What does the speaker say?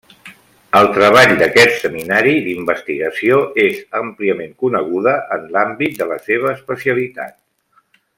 El treball d'aquest Seminari d'investigació és àmpliament coneguda en l'àmbit de la seva especialitat.